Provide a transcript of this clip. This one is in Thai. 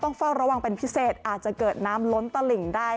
เฝ้าระวังเป็นพิเศษอาจจะเกิดน้ำล้นตลิ่งได้